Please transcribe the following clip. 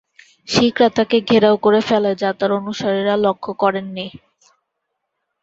শিখরা তাকে ঘেরাও করে ফেলে যা তার অনুসারীরা লক্ষ্য করেননি।